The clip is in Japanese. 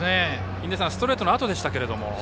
印出さんストレートのあとでしたが。